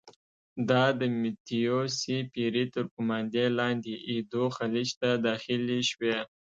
دا د متیو سي پیري تر قوماندې لاندې ایدو خلیج ته داخلې شوې.